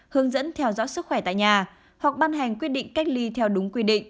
hướng dẫn theo dõi sức khỏe tại nhà hoặc ban hành quyết định cách ly theo đúng quy định